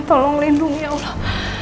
tolong lindungi ya allah